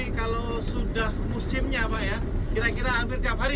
kira kira hampir tiap hari ya ini kalau sudah musimnya pak ya kira kira hampir tiap hari ya